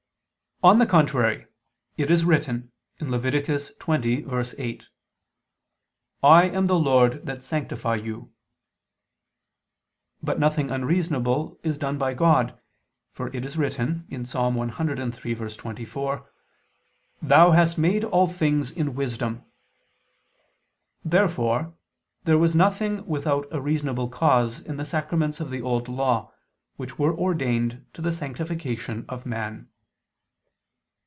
On the contrary, It is written (Lev. 20:8): "I am the Lord that sanctify you." But nothing unreasonable is done by God, for it is written (Ps. 103:24): "Thou hast made all things in wisdom." Therefore there was nothing without a reasonable cause in the sacraments of the Old Law, which were ordained to the sanctification of man.